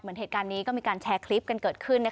เหตุการณ์นี้ก็มีการแชร์คลิปกันเกิดขึ้น